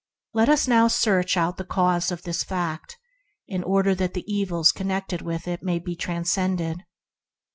Let us now search out the cause of this fact, in order that the evils connected with it may be transcended.